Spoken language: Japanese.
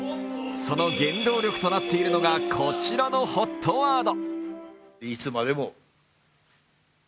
その原動力となっているのがこちらのＨＯＴワード。